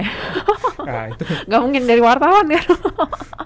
nggak mungkin dari wartawan ya